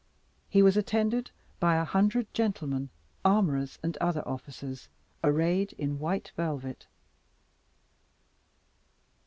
He was attended by a hundred gentlemen, armourers, and other officers, arrayed in white velvet.